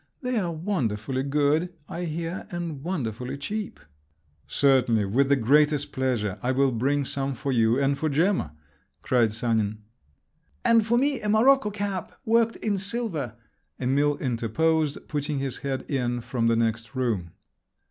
"They're wonderfully good, I hear, and wonderfully cheap!" "Certainly, with the greatest pleasure, I will bring some for you and for Gemma!" cried Sanin. "And for me a morocco cap worked in silver," Emil interposed, putting his head in from the next room.